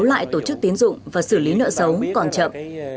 ngân hàng thương mại tổ chức tiến dụng và xử lý nợ giống còn chậm